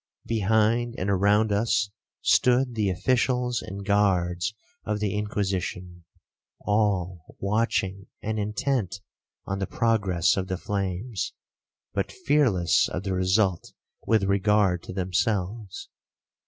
Behind and around us stood the officials and guards of the Inquisition, all watching and intent on the progress of the flames, but fearless of the result with regard to themselves.